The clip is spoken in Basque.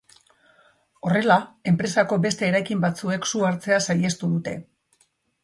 Horrela, enpresako beste eraikin batzuek su hartzea saihestu dute.